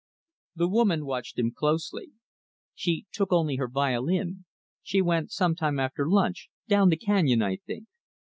The woman watched him closely. "She took only her violin. She went sometime after lunch down the canyon, I think.